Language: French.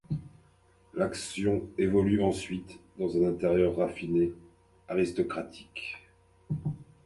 L'action évolue ensuite dans un intérieur raffiné, aristocratique.